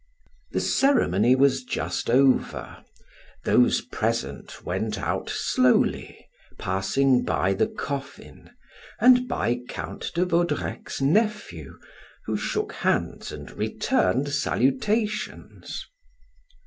The ceremony was just over; those present went out slowly, passing by the coffin, and by Count de Vaudrec's nephew, who shook hands and returned salutations.